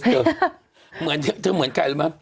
เธอเหมือนกันค่ะ